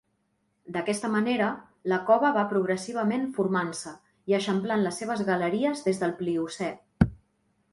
D'aquesta manera la cova va progressivament formant-se i eixamplant les seves galeries des del Pliocè.